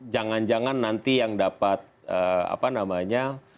jangan jangan nanti yang dapat apa namanya